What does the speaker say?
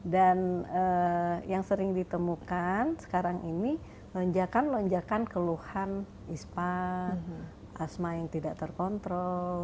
yang sering ditemukan sekarang ini lonjakan lonjakan keluhan ispa asma yang tidak terkontrol